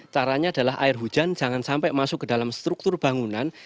caranya adalah air hujan jangan sampai masuk ke dalam struktur bangunan